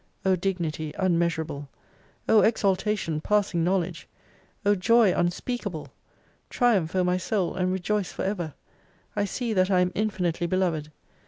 O Dignity unmeasurable ! O exaltation passing knowledge ! O Joy unspeakable ! Triumph, O my Soul, and rejoice for ever! I see that I am infinitely beloved.